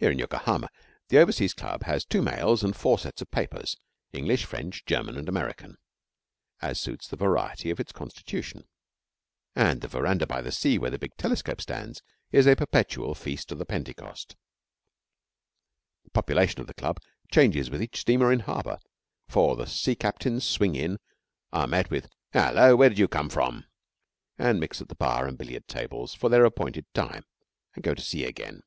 Here in Yokohama the Overseas Club has two mails and four sets of papers English, French, German, and American, as suits the variety of its constitution and the verandah by the sea, where the big telescope stands, is a perpetual feast of the Pentecost. The population of the club changes with each steamer in harbour, for the sea captains swing in, are met with 'Hello! where did you come from?' and mix at the bar and billiard tables for their appointed time and go to sea again.